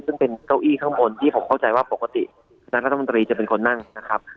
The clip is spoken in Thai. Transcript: ซึ่งเป็นเก้าอี้ข้างบนที่ผมเข้าใจว่าปกติคณะรัฐมนตรีจะเป็นคนนั่งนะครับ